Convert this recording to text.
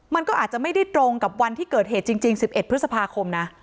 มันก็อาจจะไม่ได้ตรงกับวันที่เกิดเหตุจริง๑๑พฤษภาคมนะ